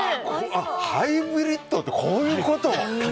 ハイブリッドってこういうこと！